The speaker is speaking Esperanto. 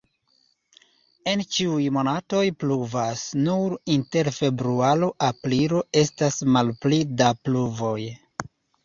En ĉiuj monatoj pluvas, nur inter februaro-aprilo estas malpli da pluvoj.